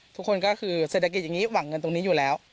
ทุกคนก็คือเศรษฐกิจอย่างนี้หวังเงินตรงนี้อยู่แล้ว